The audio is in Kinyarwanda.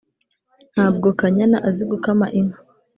ntabwo kanyana azi gukama inka